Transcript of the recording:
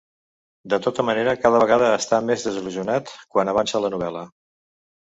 De tota manera, cada vegada està més desil·lusionat quan avança la novel·la.